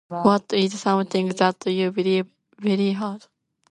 What is something that you believe really hard?